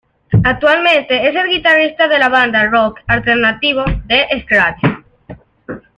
Actualmente es el guitarrista de la banda de rock alternativo The Script.